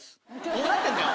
どうなってんだよ。